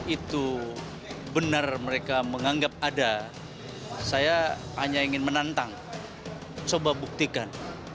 itu benar mereka menganggap ada saya hanya ingin menantang coba buktikan